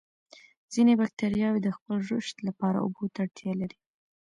ځینې باکتریاوې د خپل رشد لپاره اوبو ته اړتیا لري.